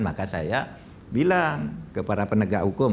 maka saya bilang kepada penegak hukum